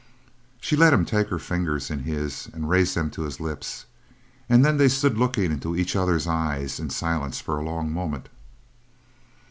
She let him take her fingers in his and raise them to his lips, and then they stood looking into each other's eyes in silence for a long moment.